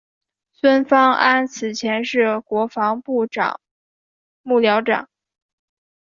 孙芳安此前是国防部长幕僚长。